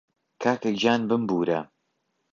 کاکەگیان بمبوورە